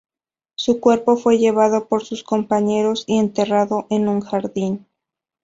Su cuerpo fue llevado por sus compañeros y enterrado en un jardín.